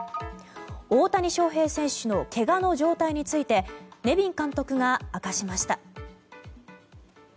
大谷翔平選手のけがの状態についてネビン監督が明かしました。